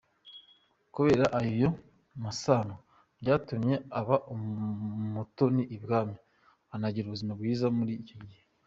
kubera ayo masano byatumye aba umutoni ibwami, anagira ubuzima bwiza muli icyo gihe.